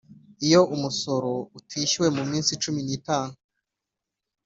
Iyo umusoro utishyuwe mu minsi cumi n itanu